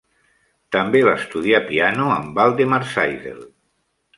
També va estudiar piano amb Waldemar Seidel.